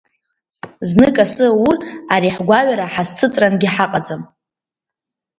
Знык асы аур, ари ҳгәаҩара ҳазҭыҵрангьы ҳаҟаӡам.